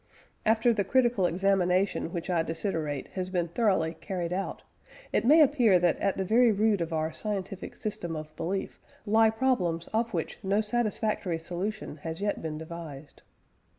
After the critical examination which I desiderate has been thoroughly carried out, it may appear that at the very root of our scientific system of belief lie problems of which no satisfactory solution has yet been devised."